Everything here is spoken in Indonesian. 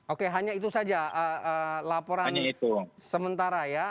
oke hanya itu saja laporan sementara ya